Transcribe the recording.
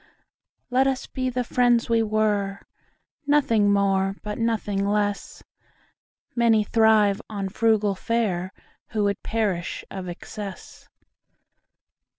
Let us be the friends we were, Nothing more but nothing less:Many thrive on frugal fareWho would perish of excess.